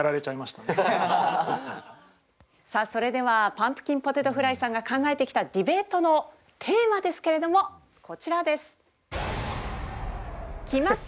さあそれではパンプキンポテトフライさんが考えてきたディベートのテーマですけれどもこちらです。